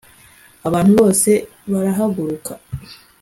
abantu bose barahaguruka